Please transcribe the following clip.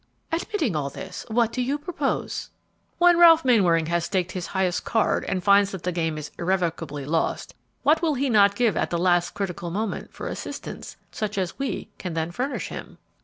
"Admitting all this, what do you propose?" "When Ralph Mainwaring has staked his highest card and finds that the game is irrevocably lost, what will he not give at the last critical moment for assistance such as we can then furnish him?"